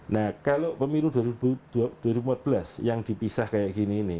nah kalau pemilu dua ribu empat belas yang dipisah kayak gini ini